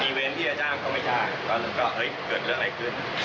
อีเวนท์ที่จะจ้างก็ไม่จ้างก็เกิดเรื่องอะไรขึ้น